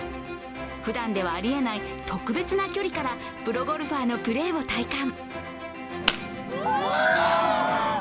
普段ではあり得ない特別な距離からプロゴルファーのプレーを体感。